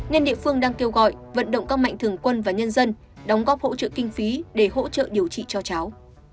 nên địa phương đang kêu gọi vận động các mạnh thường quân và nhân dân đóng góp hỗ trợ kinh phí để hỗ trợ điều trị cho cháu